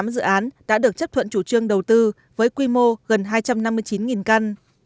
hai trăm chín mươi tám dự án đã được chấp thuận chủ trương đầu tư với quy mô gần hai trăm năm mươi chín căn